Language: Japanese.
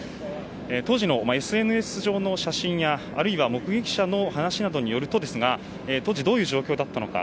当時のＳＮＳ上の写真やあるいは目撃者の話によるとですが当時、どういう状況だったのか。